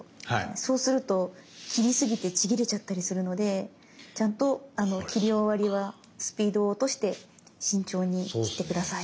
そうすると切り過ぎてちぎれちゃったりするのでちゃんと切り終わりはスピードを落として慎重に切って下さい。